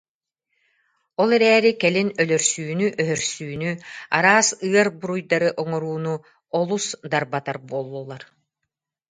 Ол эрээри кэлин өлөрсүүнү-өһөрсүүнү, араас ыар бу- руйдары оҥорууну олус дарбатар буоллулар